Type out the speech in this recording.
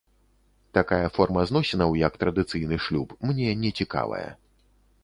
Такая форма зносінаў, як традыцыйны шлюб, мне не цікавая.